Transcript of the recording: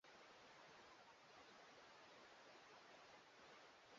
kila raia anayo haki ya kupewa taarifa wakati wote